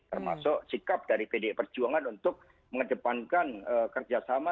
termasuk sikap dari pdi perjuangan untuk mengedepankan kerjasama